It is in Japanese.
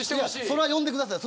それは呼んでください。